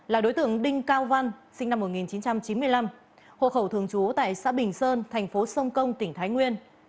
hoặc hộ khẩu thường trú tại xã bình sơn thành phố sông công tỉnh thái nguyên